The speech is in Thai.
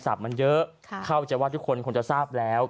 มันเยอะเข้าใจว่าทุกคนคงจะทราบแล้ว